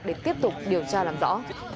để tiếp tục điều tra làm rõ